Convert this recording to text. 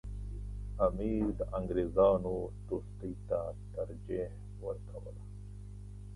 امیر د انګریزانو دوستۍ ته ترجیح ورکوله.